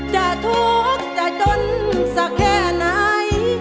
จะทุกข์จะจนสักแค่ไหน